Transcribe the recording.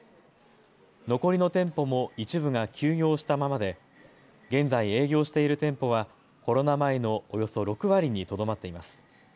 残りの店舗も一部が休業したままで現在営業している店舗はコロナ前のおよそ６割にとどまっています。